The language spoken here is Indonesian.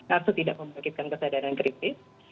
harus tidak membuatkan kesadaran kritis